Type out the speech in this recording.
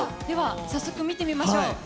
では早速見てみましょう。